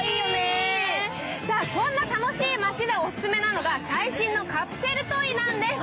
こんな楽しい街で楽しめるのが最新のカプセルトイなんです。